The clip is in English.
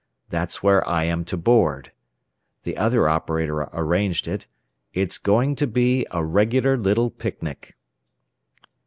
That's where I am to board. The other operator arranged it. It's going to be a regular little picnic."